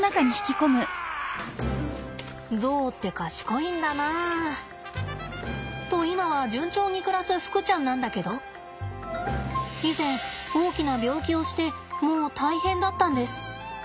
ゾウって賢いんだな。と今は順調に暮らすふくちゃんなんだけど以前大きな病気をしてもう大変だったんです。